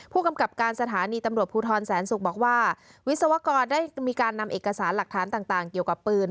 ผู้กำกับการสถานีตำรวจภูทรแสนศุกร์บอกว่าวิศวกรได้มีการนำเอกสารหลักฐานต่างเกี่ยวกับปืน